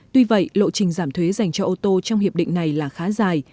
tuy vậy lộ trình giảm thuế dành cho ô tô trong hiệp định này là khá dài